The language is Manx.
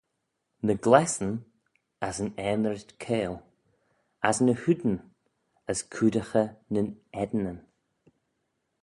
Ny glessyn, as yn aanrit-keyl, as ny hoodyn, as coodaghey nyn eddinyn.